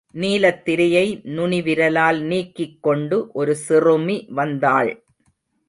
நீலத் திரையை நுனி விரலால் நீக்கிக் கொண்டு ஒரு சிறுமி வந்தாள்.